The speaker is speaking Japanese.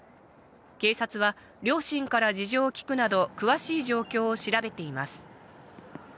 警察は両親から事情を聞くなど詳しい状況を調べています。